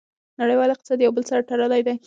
نړیوال اقتصاد یو بل سره تړلی دی.